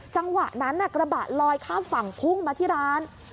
จังหวะนั้นกระบะลอยข้ามฝั่งพุ่งมาที่ร้าน